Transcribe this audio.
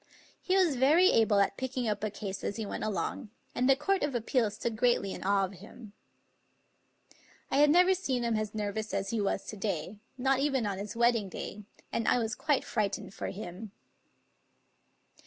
He was very able at picking up a case as he went along, and the Court of Appeals stood greatly in awe of him. I had never seen him as nervous as he was 299 English Mystery Staries to day — Jiot even on his wedding day — and I was quite frightened for him.